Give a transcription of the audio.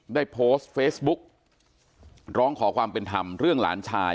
ได้โพสต์เฟซบุ๊กร้องขอความเป็นธรรมเรื่องหลานชาย